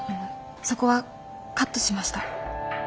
そこはカットしました。